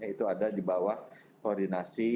itu ada di bawah koordinasi